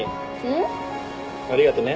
ん？ありがとね。